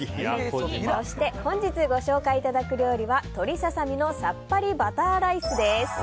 そして本日ご紹介いただく料理は鶏ササミのさっぱりバターライスです。